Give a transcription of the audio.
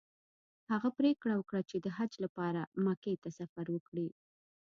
هغه پریکړه وکړه چې د حج لپاره مکې ته سفر وکړي.